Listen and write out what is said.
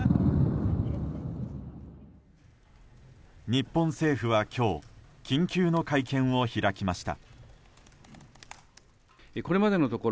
日本政府は今日緊急の会見を開きました。